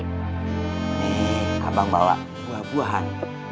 ini abang bawa buah buahan